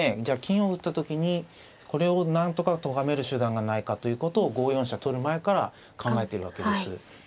じゃあ金を打った時にこれをなんとかとがめる手段がないかということを５四飛車取る前から考えてるわけです。